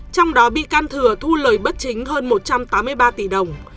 trong đó bị can thừa thu lời bất chính hơn một trăm tám mươi ba tỷ đồng